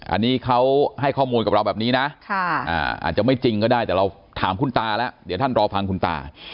อันนี้เขาให้ข้อมูลกับเราแบบนี้นะอาจจะไม่จริงก็ได้แต่เราถามคุณตาแล้วเดี๋ยวท่านรอฟังคุณตา